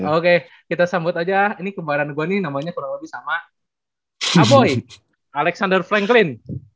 oke kita sambut aja ini kemarin gua namanya kurang lebih sama aboi alexander franklin